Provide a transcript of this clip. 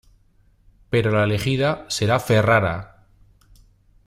Pero la elegida será Ferrara.